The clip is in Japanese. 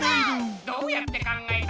どうやって考えた？